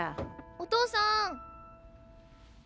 お父さん。